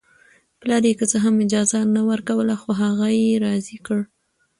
پلار یې که څه هم اجازه نه ورکوله خو هغه یې راضي کړ